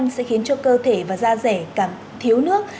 nhiệt độ sáng sẽ khiến cho cơ thể và da rẻ cảm thiếu nước